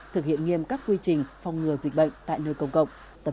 thực hiện nghiêm các quy trình phòng ngừa